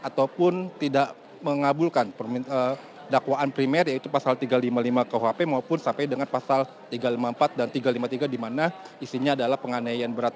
ataupun tidak mengabulkan dakwaan primer yaitu pasal tiga ratus lima puluh lima kuhp maupun sampai dengan pasal tiga ratus lima puluh empat dan tiga ratus lima puluh tiga di mana isinya adalah penganiayaan berat